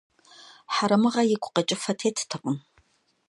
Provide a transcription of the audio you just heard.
Хьэрэмыгъэ игу къэкӀыфэ теттэкъым.